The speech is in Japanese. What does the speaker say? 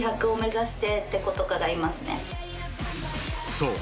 ［そう。